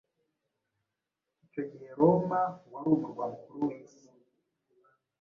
Icyo gihe Roma wari umurwa mukuru w’isi.